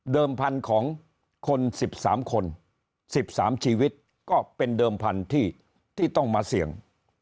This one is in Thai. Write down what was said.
พันธุ์ของคน๑๓คน๑๓ชีวิตก็เป็นเดิมพันธุ์ที่ต้องมาเสี่ยง